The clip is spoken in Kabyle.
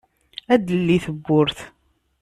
ad d-telli tewwurt.